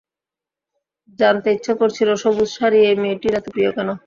জানতে ইচ্ছা করছিল সবুজ শাড়ি এই মেয়েটির এত প্রিয় কেন।